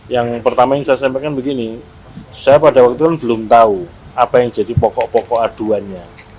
yang pertama yang saya sampaikan begini saya pada waktu itu belum tahu apa yang jadi pokok pokok aduannya